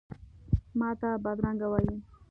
ماته بدرنګه وایې،